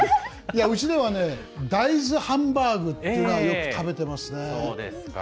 うちでは、大豆ハンバーグっていうのはよく食べていますね。